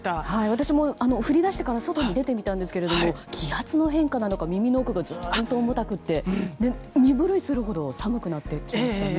私も降り出してから外に出てきたんですけれども気圧の変化なのか耳の奥がズーンと重たくて身震いするほど寒くなってきましたね。